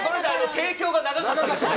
提供が長かったので。